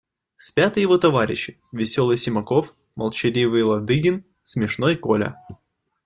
Спят и его товарищи: веселый Симаков, молчаливый Ладыгин, смешной Коля.